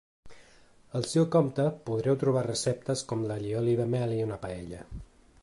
Al seu compte podreu trobar receptes com l’allioli de mel i una paella.